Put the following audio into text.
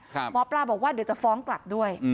หมอปลาบอกว่าเดี๋ยวจะฟ้องกลับด้วย